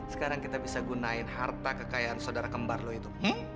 sekarang kita bisa gunain harta kekayaan saudara kembar lo itu